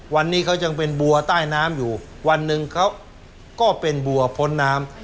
วันนี้เขายังเป็นบัวใต้น้ำอยู่วันหนึ่งเขาก็เป็นบัวพ้นน้ำ